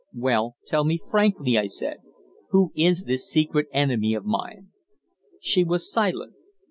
"Well, tell me frankly," I said, "who is this secret enemy of mine?" She was silent.